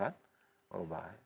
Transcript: karena memang merubah kan